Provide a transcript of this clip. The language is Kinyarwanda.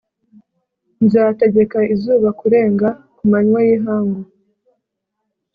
nzategeka izuba kurenga ku manywa y’ihangu,